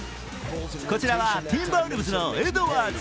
こちらはティンバーウルブズのエドワーズ。